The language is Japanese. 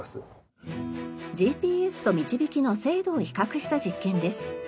ＧＰＳとみちびきの精度を比較した実験です。